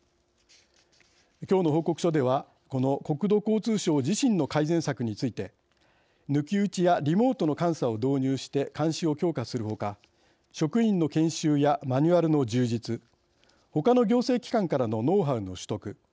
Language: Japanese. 今日の報告書ではこの国土交通省自身の改善策について抜き打ちやリモートの監査を導入して監視を強化する他職員の研修やマニュアルの充実他の行政機関からのノウハウの取得。